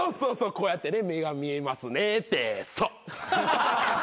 こうやってね目が見えますねってそっ！